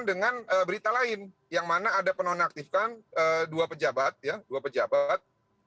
dengan berita lain yang mana ada penonaktifkan dua pejabat ya dua pejabat